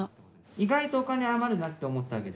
意外とお金余るなって思ったわけじゃん。